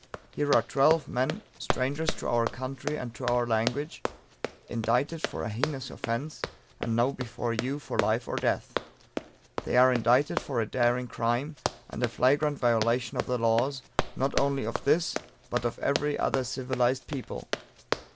Here are twelve men, strangers to our country and to our language, indicted for a heinous offence, and now before you for life or death. They are indicted for a daring crime, and a flagrant violation of the laws, not only of this, but of every other civilized people."